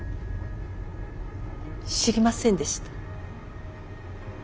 知りませんでした。